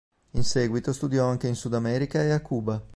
In seguito studiò anche in Sud America e a Cuba.